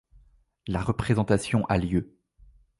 La représentation a lieu.